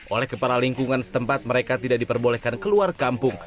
oleh kepala lingkungan setempat mereka tidak diperbolehkan keluar kampung